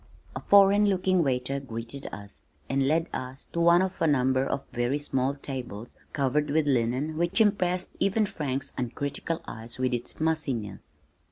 A foreign looking waiter greeted us, and led us to one of a number of very small tables covered with linen which impressed even Frank's uncritical eyes with its mussiness.